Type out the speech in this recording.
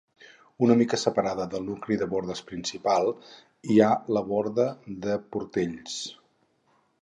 Una mica separada del nucli de bordes principal hi ha la Borda de Portells.